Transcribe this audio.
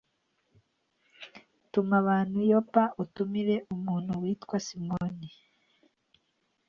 Tuma abantu i Yopa, utumire umuntu witwa Simoni.”